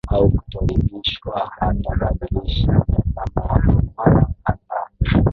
blues au kutoridhishwa Hatabadilisha mtazamo wake mara kadhaa